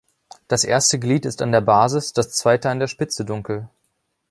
Das erste Glied ist an der Basis, das zweite an der Spitze dunkel.